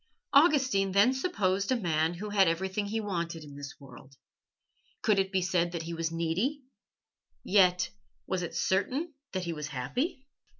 Augustine then supposed a man who had everything he wanted in this world. Could it be said that he was needy? Yet was it certain that he was happy?